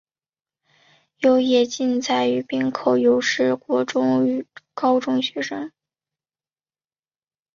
有野晋哉与滨口优是国中与高中同学。